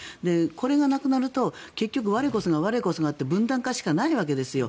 これがなくなると結局、我こそが、我こそがと分断化しかないわけですよ。